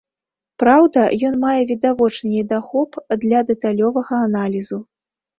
Праўда, ён мае відавочны недахоп для дэталёвага аналізу.